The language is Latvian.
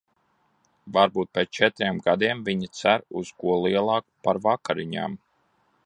Varbūt pēc četriem gadiem viņa cer uz ko lielāku par vakariņām?